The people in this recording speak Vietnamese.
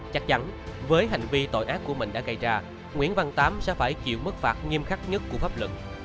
chắc chắn với hành vi tội ác của mình đã gây ra nguyễn văn tám sẽ phải chịu mức phạt nghiêm khắc nhất của pháp luật